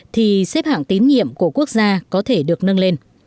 thì xếp hạng tín nhiệm của quốc gia có thể được nâng lên